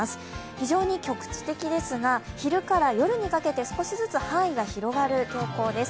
非常に局地的ですが昼から夜にかけて少しずつ範囲が広がる傾向です。